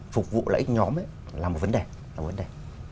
phục vụ lợi ích nhóm là một vấn đề